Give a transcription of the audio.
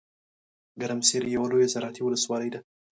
ګرمسیر یوه لویه زراعتي ولسوالۍ ده .